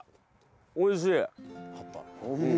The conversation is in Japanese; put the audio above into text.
おいしい。